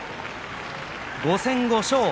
５戦５勝。